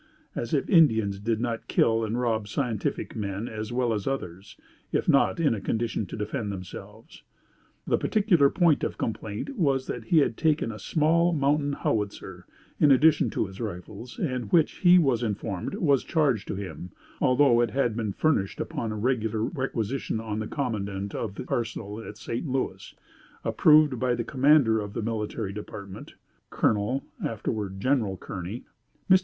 as if Indians did not kill and rob scientific men as well as others if not in a condition to defend themselves. The particular point of complaint was that he had taken a small mountain howitzer, in addition to his rifles; and which he was informed, was charged to him, although it had been furnished upon a regular requisition on the commandant of the arsenal at St. Louis, approved by the commander of the military department (Colonel, afterward General Kearney). Mr.